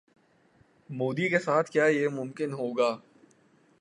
مودی کے ساتھ کیا یہ ممکن ہوگا؟